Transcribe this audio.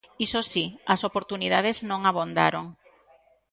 Iso si, as oportunidades non abondaron.